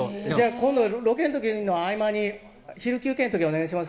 今度ロケのときの合間に、昼休憩のときにお願いします。